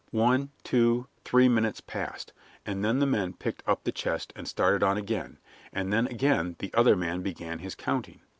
One, two, three minutes passed, and then the men picked up the chest and started on again; and then again the other man began his counting.